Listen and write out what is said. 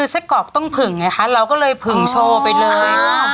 ซะกรอกต้องผึงเราก็เลยผึงโชว์ไปเลย